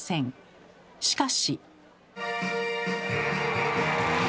しかし。